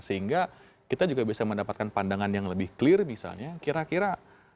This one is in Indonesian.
sehingga kita juga bisa mendapatkan pandangan yang lebih clear misalnya kira kira